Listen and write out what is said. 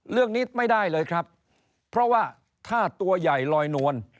เรื่องนี้ไม่ได้เลยครับเพราะว่าถ้าตัวใหญ่ลอยนวล